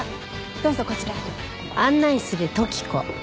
どうぞこちらに。